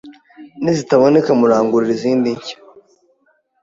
Nizitaboneka murangurira izindi nshya